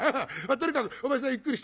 とにかくお前さんゆっくりして。